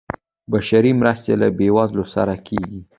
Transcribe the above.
بشري مرستې له بیوزلو سره کیږي